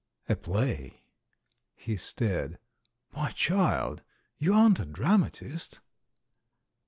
"A play?" He stared. "My child, you aren't a dramatist."